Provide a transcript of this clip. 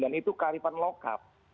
dan itu karipan lokal